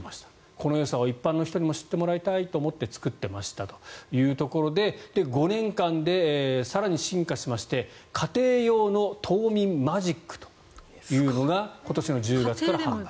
このよさを一般の人にも知ってもらいたいと思って作ってみましたということで５年間で更に進化しまして家庭用の凍眠マジックというのが今年の１０月から販売。